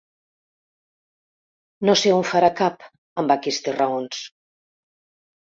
No sé on farà cap, amb aquestes raons.